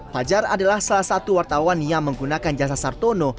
fajar adalah salah satu wartawan yang menggunakan jasa sartono